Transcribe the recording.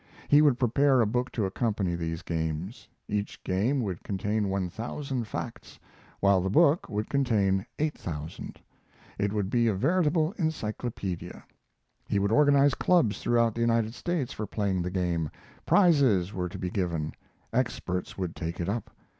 He would prepare a book to accompany these games. Each game would contain one thousand facts, while the book would contain eight thousand; it would be a veritable encyclopedia. He would organize clubs throughout the United States for playing the game; prizes were to be given. Experts would take it up.